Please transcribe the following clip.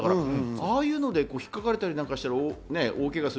ああいうので引っかかれたりなんかしたら大けがする。